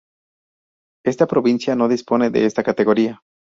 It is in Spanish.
Esta provincia no dispone de esta categoría.